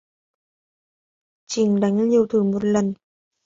Chỉnh đánh liều thử một lần